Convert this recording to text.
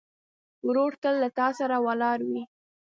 ورور تل له تا سره ولاړ وي.